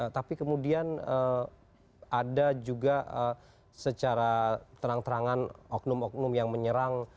tapi kemudian ada juga secara terang terangan oknum oknum yang menyerang